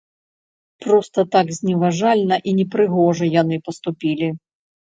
Проста так зневажальна і непрыгожа яны паступілі.